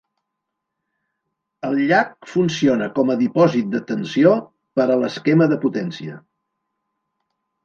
El llac funciona com a dipòsit de tensió per a l'esquema de potència.